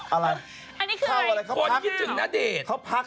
อะไรข้าวอะไรข้าวอะไรข้าวพักข้าวพัก